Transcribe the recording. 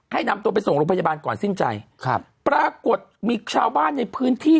นำตัวไปส่งโรงพยาบาลก่อนสิ้นใจครับปรากฏมีชาวบ้านในพื้นที่